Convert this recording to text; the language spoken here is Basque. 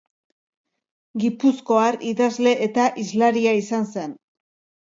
Gipuzkoar idazle eta hizlaria izan zen.